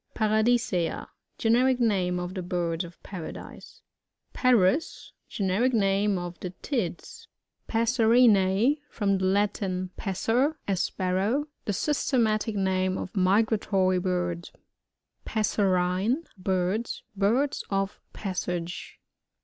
Paradis^a. — Generic name of the Birds of Paradise. Par us. — Generic name of the Tits. Passerin/E. — From the Latin, p9s«^r, a Sparrow. The systematic name of migratory birds. Passerine (Birdn) — Birds of passage.